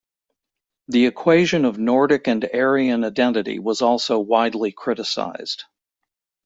The equation of Nordic and Aryan identity was also widely criticized.